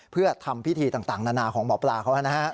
เพื่อทำพิธีต่างนานาของหมอปลาเขานะฮะ